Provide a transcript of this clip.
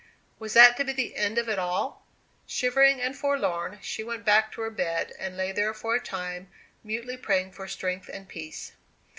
Was that to be the end of it all? Shivering and forlorn, she went back to her bed, and lay there for a time, mutely praying for strength and peace.